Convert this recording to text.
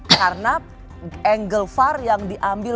karena angle far yang diambil